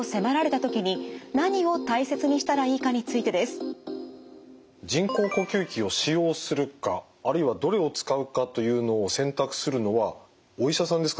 最後にご紹介するのは人工呼吸器を使用するかあるいはどれを使うかというのを選択するのはお医者さんですか？